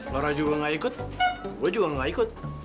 laura juga ga ikut gue juga ga ikut